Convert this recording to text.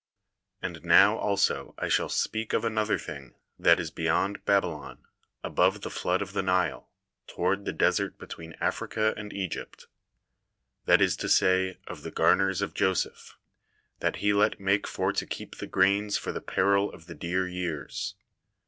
And now also I shall speak of another thing that is beyond Babylon, above the flood of the Nile, toward the desert between Africa and Egypt; that is to say of the garners of Joseph, that he let make for to keep the grains for the peril of the dear years.